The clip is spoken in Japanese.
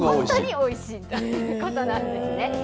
おいしいということなんですね。